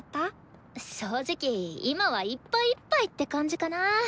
正直今はいっぱいいっぱいって感じかな。